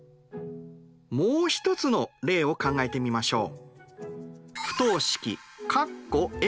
もう一つの例を考えてみましょう。